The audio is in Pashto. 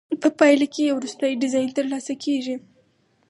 په پایله کې یو وروستی ډیزاین ترلاسه کیږي.